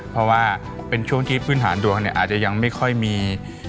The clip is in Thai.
พอว่าเป็นช่วงที่พื้นฐานดวงอาจจะยังไม่ค่อยมี